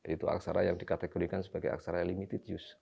itu aksara yang dikategorikan sebagai aksara limited use